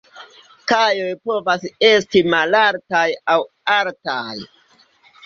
Kajoj povas esti malaltaj aŭ altaj.